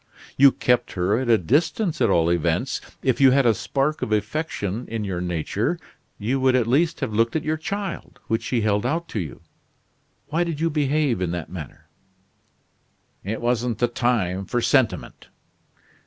"You kept her at a distance at all events. If you had a spark of affection in your nature, you would at least have looked at your child, which she held out to you. Why did you behave in that manner?" "It wasn't the time for sentiment."